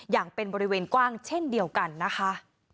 อย่างเป็นบริเวณกว้างเช่นเดียวกันนะคะ